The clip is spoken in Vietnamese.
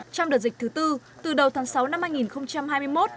trong đợt dịch thứ tư từ đầu tháng sáu năm hai nghìn hai mươi một